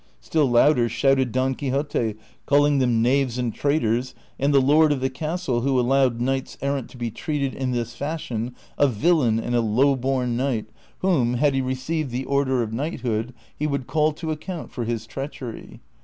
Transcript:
Still louder shouted Don Quixote, calling them knaves and traitors, and the lord of the castle, who allowed knights errant to be treated in this fashion, a villain and a low born knight whom, had he received the order of knighthood, he would call to account for his treachery.